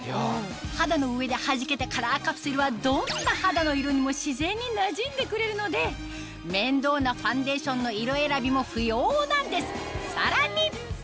肌の上ではじけたカラーカプセルはどんな肌の色にも自然になじんでくれるので面倒なファンデーションの色選びも不要なんですさらに！